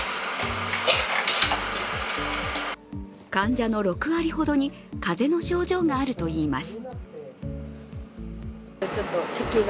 患者の６割ほどに風邪の症状があるといいます。